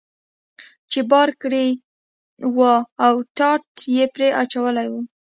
چې بار کړی یې و او ټاټ یې پرې اچولی و.